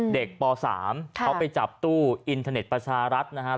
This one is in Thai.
ป๓เขาไปจับตู้อินเทอร์เน็ตประชารัฐนะครับ